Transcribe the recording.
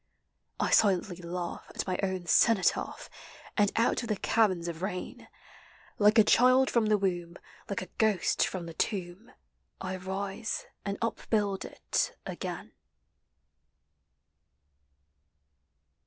I silently laugh at my own cenotaph, And out of the caverns of rain. Like a child from the womb, like a ghost from the tomb, I rise and upbuild it again.